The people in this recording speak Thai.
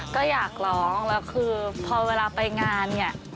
ก็อยากร้องแล้วคือพอเวลาไปงานเนี่ย